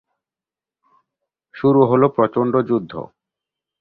শুরু হলো প্রচণ্ড যুদ্ধ।